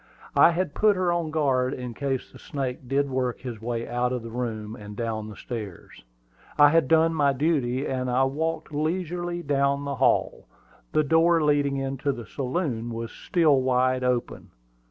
I had put her on her guard in case the snake did work his way out of the room and down the stairs. I had done my duty, and I walked leisurely down to the hall. The door leading into the saloon was still wide open.